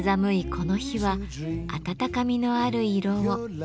この日は温かみのある色を。